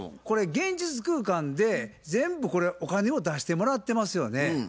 これ現実空間で全部これお金を出してもらってますよね。